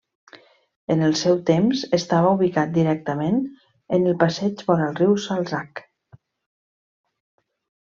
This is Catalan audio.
En el seu temps estava ubicat directament en el passeig vora el riu Salzach.